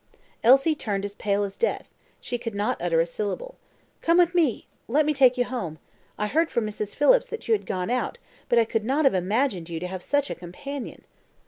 Elsie turned as pale as death; she could not utter a syllable. "Come with me let me take you home. I heard from Mrs. Phillips that you had gone out; but I could not have imagined you to have such a companion."